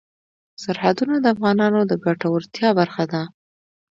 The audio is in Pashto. سرحدونه د افغانانو د ګټورتیا برخه ده.